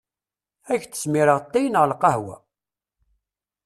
Ad ak-d-smireɣ ttay neɣ lqahwa?